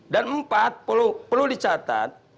dan empat perlu dicatat